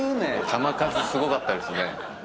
弾数すごかったですね。